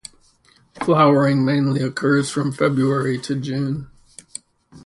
Flowering mainly occurs from February to June.